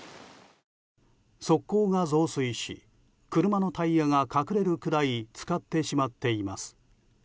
側溝が増水し車のタイヤが隠れるくらい浸かってしまっています。